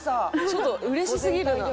ちょっと嬉しすぎるな。